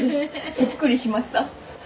びっくりしました。